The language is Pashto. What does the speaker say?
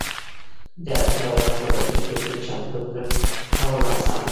د اړتیا وړ خوراکي توکو چمتو کول اسانه کول.